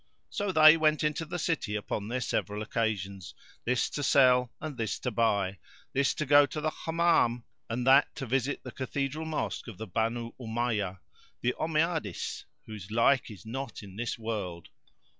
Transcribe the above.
So they went into the city upon their several occasions, this to sell and that to buy; this to go to the Hammam and that to visit the Cathedral mosque of the Banu Umayyah, the Ommiades, whose like is not in this world.